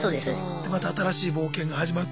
でまた新しい冒険が始まる。